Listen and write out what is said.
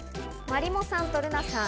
まりもさんと、るなさん。